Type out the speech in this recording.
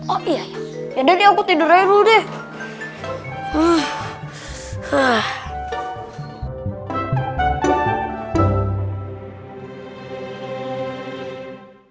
oh iya yaudah deh aku tidurnya dulu deh